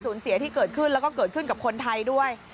เสียที่เกิดขึ้นแล้วก็เกิดขึ้นกับคนไทยด้วย